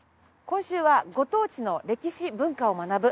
今週は「ご当地の歴史・文化を学ぶ」。